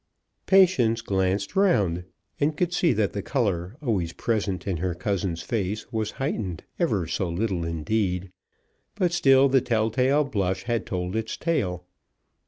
Patience glanced round, and could see that the colour, always present in her cousin's face, was heightened, ever so little indeed; but still the tell tale blush had told its tale.